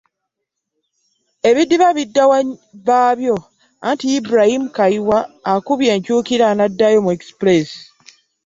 Ebidiba bidda wa baabyo anti Ibrahim Kayiwa akubye enkyukira n'addayo mu Express.